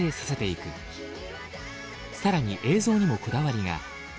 更に映像にもこだわりが。